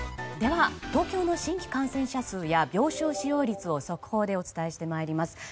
では、東京の新規感染者数や病床使用率を速報でお伝えしてまいります。